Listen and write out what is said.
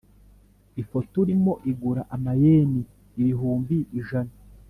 ifoto urimo igura amayen ibihumbi ijana